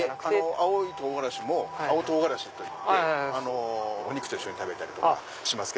青い唐辛子も青唐辛子といってお肉と一緒に食べたりとかします。